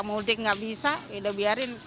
mudik nggak bisa ya udah biarin